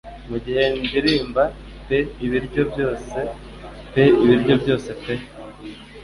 Mugihe ndirimba pe Ibiryo byose pe ibiryo byose pe